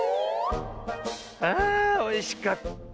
あおいしかった。